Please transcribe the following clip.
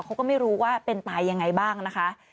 เขาก็ไม่รู้ว่าเป็นตายยังไงบ้างนะคะ